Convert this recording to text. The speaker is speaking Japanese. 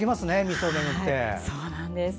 そうなんです。